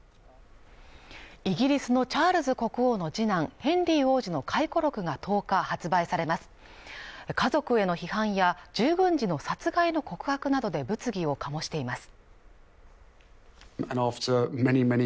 イギリスのチャールズ国王の次男ヘンリー王子の回顧録が１０日発売されます家族への批判や従軍時の殺害の告白などで物議を醸しています